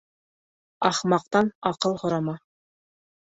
Ахмаҡтан аҡыл һорама.